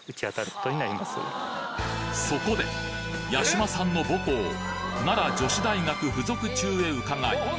そこで八嶋さんの母校奈良女子大学附属中へ伺いええ。